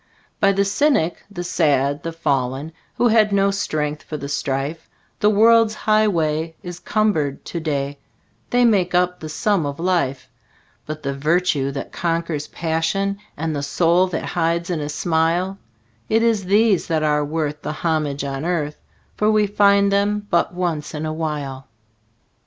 By the cynic, the sad, the fallen, Who had no strength for the strife, The world's highway is cumbered to day They make up the sum of life; But the virtue that conquers passion, And the sorrow that hides in a smile It is these that are worth the homage on earth, For we find them but once in a while.